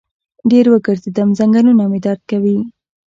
ډېر وګرځیدم، زنګنونه مې درد کوي